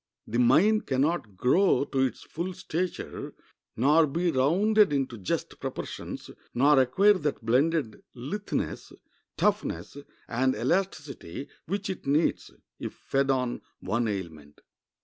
The mind can not grow to its full stature, nor be rounded into just proportions, nor acquire that blended litheness, toughness, and elasticity which it needs, if fed on one aliment.